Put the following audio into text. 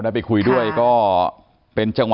ที่มีข่าวเรื่องน้องหายตัว